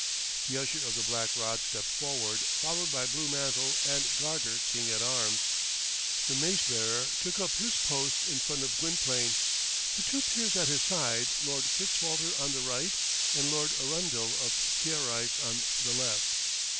The Usher of the Black Rod stepped forward, followed by Blue Mantle and Garter King at Arms. The Mace bearer took up his post in front of Gwynplaine, the two peers at his side, Lord Fitzwalter on the right, and Lord Arundel of Trerice on the left.